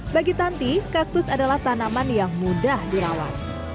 bagi tanti kaktus adalah tanaman yang mudah dirawat